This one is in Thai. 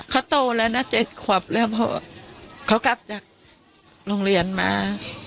เขาโตแล้วนะ๗ขวบแล้วพอเขากลับจากโรงเรียนมา